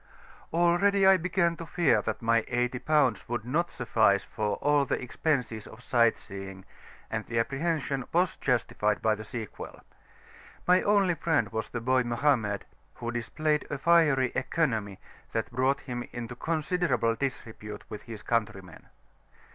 Already I began to fear that my eighty pounds would not suffice for all the expenses of sight seeing, and the apprehension was justified by the sequel. My only friend was the boy Mohammed, who displayed a fiery economy that brought him into considerable disrepute with his countrymen.